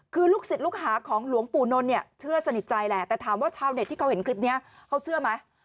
คือลูกศิษย์ลูกหาของหลวงปู่นนท์เนี่ยเชื่อสนิทใจแหละแต่ถามว่าชาวเน็ตที่เขาเห็นคลิปนี้เขาเชื่อไหม